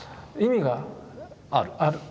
意味がある。